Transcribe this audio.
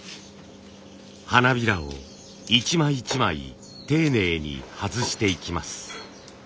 花びらを一枚一枚丁寧に外していきます。